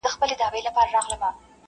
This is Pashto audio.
لټوي د نجات لاري او غارونه٫